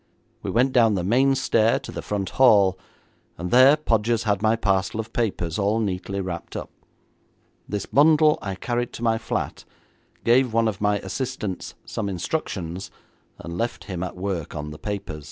We went down the main stair to the front hall, and there Podgers had my parcel of papers all neatly wrapped up. This bundle I carried to my flat, gave one of my assistants some instructions, and left him at work on the papers.